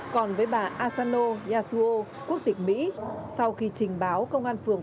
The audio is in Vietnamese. còn với bà asano yasuo quốc tịch mỹ sau khi trình báo công an phường